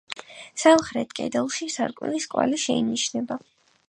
სამხრეთ კედელში სარკმლის კვალი შეინიშნება.